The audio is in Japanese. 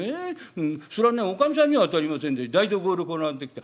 そらねおかみさんには当たりませんで台所へ転がってきた。